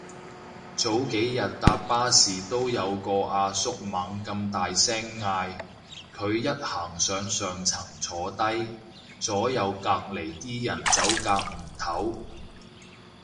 早幾日搭巴士都有個阿叔猛咁大聲嗌，佢一行上上層坐低，左右隔離啲人走夾唔唞